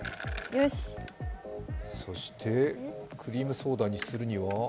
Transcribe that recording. そしてクリームソーダにするには？